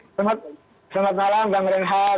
selamat malam bang renhan